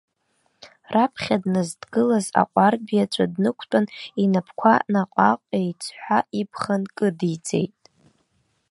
Раԥхьа дназдгылаз аҟәардә иаҵәа днықәтәан, инапқәа наҟ-ааҟ еиҵҳәа ибӷа нкыдиҵеит.